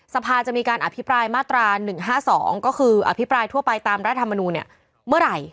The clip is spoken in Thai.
สภาจะมีการอภิปรายมาตรา๑๕๒ก็คืออภิปรายทั่วไปตามรัฐมนูลเมื่อไหร่